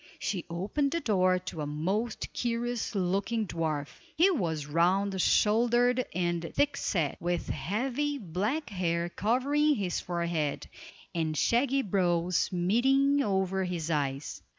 She opened the door to a most curious looking dwarf. He was round shouldered and thick set, with heavy, black hair covering his forehead, and shaggy brows meeting over his eyes.